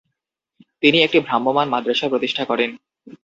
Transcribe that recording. তিনি একটি ভ্রাম্যমাণ মাদ্রাসা প্রতিষ্ঠা করেন।